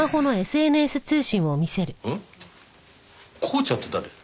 「こーちゃん」って誰？